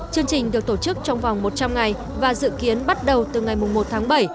chương trình được tổ chức trong vòng một trăm linh ngày và dự kiến bắt đầu từ ngày một tháng bảy